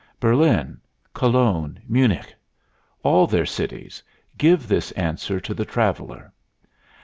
Berlin, Cologne, Munich all their cities give this answer to the traveler.